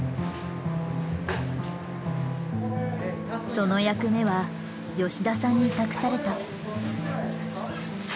その役目は吉田さんに託された。